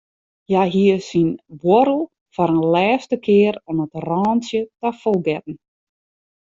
Hja hie syn buorrel foar in lêste kear oan it rântsje ta fol getten.